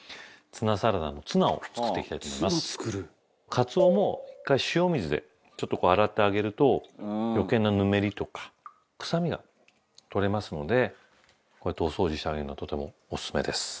カツオも１回塩水でちょっとこう洗ってあげると余計なぬめりとか臭みが取れますのでこうやってお掃除してあげるのはとてもオススメです。